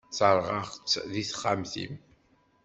Serseɣ-tt deg texxamt-im.